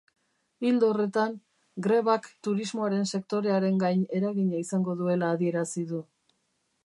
Ildo horretan, grebak turismoaren sektorearen gain eragina izango duela adierazi du.